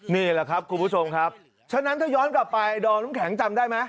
นี่แหละครับคุณผู้ชมครับฉะนั้นถ้าย้อนกลับไปดอมน้ำแข็งจำได้ไหม